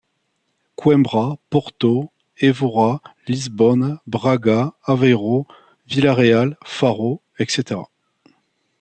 Coimbra, Porto, Evora, Lisbonne, Braga, Aveiro, Vila Real, Faro, etc.